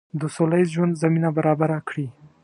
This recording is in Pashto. د سوله ییز ژوند زمینه برابره کړي.